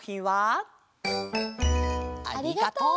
ありがとう。